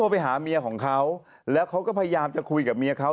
ไปหาเมียของเขาแล้วเขาก็พยายามจะคุยกับเมียเขา